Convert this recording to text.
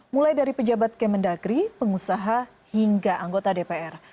mulai dari pejabat kemendagri pengusaha hingga anggota dpr